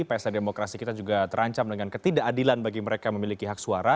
pesta demokrasi kita juga terancam dengan ketidakadilan bagi mereka yang memiliki hak suara